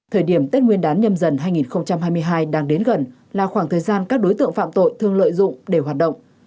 thời điểm tết nguyên đán nhâm dần hai nghìn hai mươi hai đang đến gần là khoảng thời gian các đối tượng phạm tội thường lợi dụng để hoạt động